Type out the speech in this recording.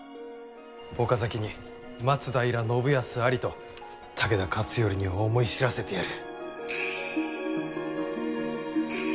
岡崎に松平信康ありと武田勝頼に思い知らせてやる。